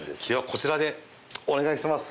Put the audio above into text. こちらでお願いします！